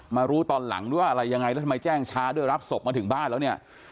รู้ตอนหลังหรือว่าอะไรยังไงแล้วทำไมแจ้งช้าด้วยรับศพมาถึงบ้านแล้วเนี่ย